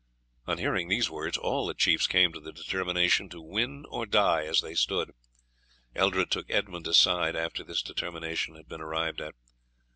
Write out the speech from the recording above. On hearing these words all the chiefs came to the determination to win or die as they stood. Eldred took Edmund aside after this determination had been arrived at.